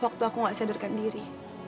waktu aku gak sadarkan diri